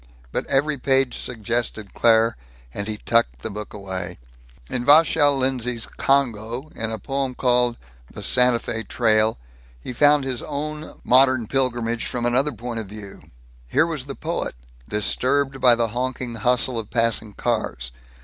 But every page suggested Claire, and he tucked the book away. In Vachel Lindsay's Congo, in a poem called "The Santa Fe Trail," he found his own modern pilgrimage from another point of view. Here was the poet, disturbed by the honking hustle of passing cars.